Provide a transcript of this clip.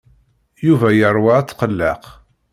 Yuba yeṛwa atqelleq.